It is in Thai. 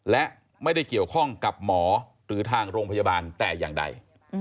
และไม่ได้เกี่ยวข้องกับหมอหรือทางโรงพยาบาลแต่อย่างใด